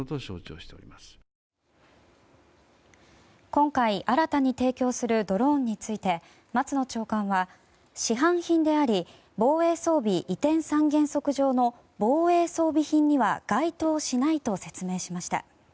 今回、新たに提供するドローンについて松野長官は、市販品であり防衛装備移転三原則上の防衛装備品には該当しないと説明しました。